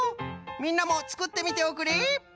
みんなもつくってみておくれ！